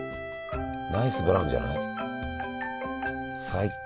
ナイスブラウンじゃない？最高。